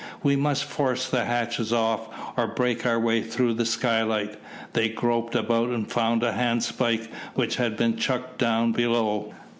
"We must force the hatches off, or break our way through the skylight." They groped about and found a handspike which had been chucked down below.